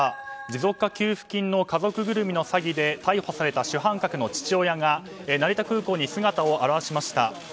持続化給付金の家族ぐるみの詐欺で逮捕された主犯格の父親が成田空港に姿を現しました。